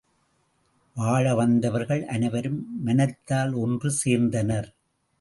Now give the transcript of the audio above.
வாழ வந்தவர்கள் அனைவரும் மனத்தால் ஒன்று சேர்ந்தனர்.